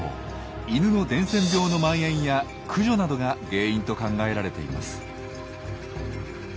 イヌの伝染病のまん延や駆除などが原因と考えられています。